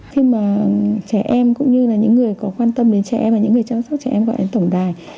khi mà trẻ em cũng như là những người có quan tâm đến trẻ em và những người chăm sóc trẻ em gọi đến tổng đài